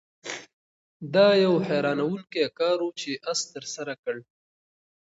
دا یو حیرانوونکی کار و چې آس ترسره کړ.